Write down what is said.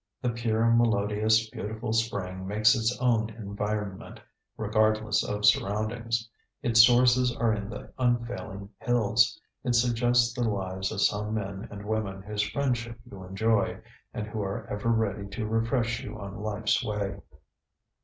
The pure, melodious, beautiful spring makes its own environment, regardless of surroundings. Its sources are in the unfailing hills. It suggests the lives of some men and women whose friendship you enjoy, and who are ever ready to refresh you on life's way.